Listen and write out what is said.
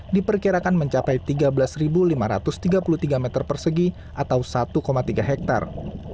diperkirakan mencapai tiga belas lima ratus tiga puluh tiga meter persegi atau satu tiga hektare